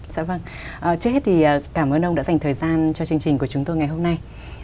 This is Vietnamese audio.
dạ vâng trước hết thì cảm ơn ông đã dành thời gian cho chương trình của chúng tôi ngày hôm nay